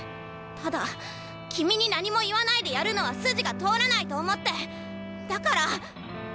ただ君に何も言わないでやるのは筋が通らないと思ってだから。